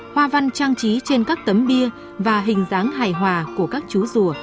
hoa văn trang trí trên các tấm bia và hình dáng hài hòa của các chú rùa